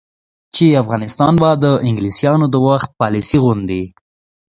چې افغانستان به د انګلیسانو د وخت پالیسي غوندې،